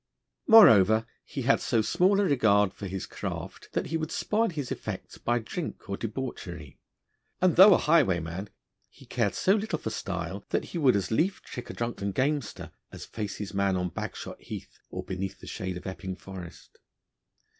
Moreover, he had so small a regard for his craft, that he would spoil his effects by drink or debauchery; and, though a highwayman, he cared so little for style, that he would as lief trick a drunken gamester as face his man on Bagshot Heath or beneath the shade of Epping Forest.